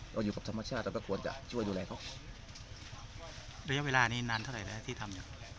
เราอยู่กับธรรมชาติเราก็ควรจะช่วยดูแลเขาระยะเวลานี้นานเท่าไหร่แล้วที่ทำเนี่ย